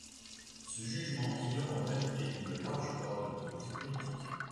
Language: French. Ce jugement ignore en réalité une large part de notre vie politique.